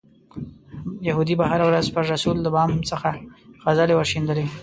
یهودي به هره ورځ پر رسول د بام څخه خځلې ورشیندلې.